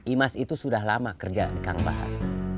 imas itu sudah lama kerja kang bahar